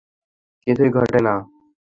কিছুই ঘটে না।